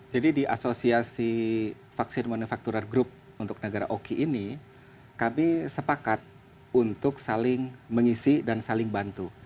jadi di asosiasi vaksin manufacturer group untuk negara oki ini kami sepakat untuk saling mengisi dan saling bantu